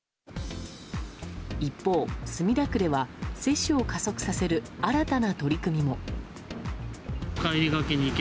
一方、墨田区では接種を加速させる新たな取り組みも。